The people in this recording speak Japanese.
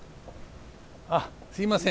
あっすいません。